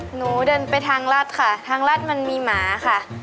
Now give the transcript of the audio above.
หนูเดินไปทางรัฐค่ะทางรัฐมันมีหมาค่ะ